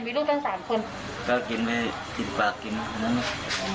มีลูกตั้งสามคนก็กินไปกินปากกินอันนั้น